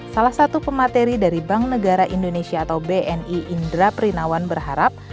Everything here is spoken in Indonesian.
salah satu pemateri dari bank negara indonesia atau bni indra prinawan berharap